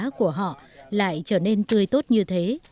giá của họ lại trở nên tươi tốt như thế